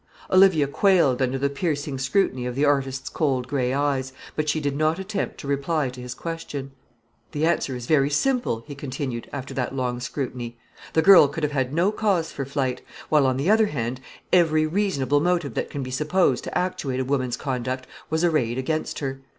Olivia quailed under the piercing scrutiny of the artist's cold grey eyes, but she did not attempt to reply to his question. "The answer is very simple," he continued, after that long scrutiny; "the girl could have had no cause for flight; while, on the other hand, every reasonable motive that can be supposed to actuate a woman's conduct was arrayed against her.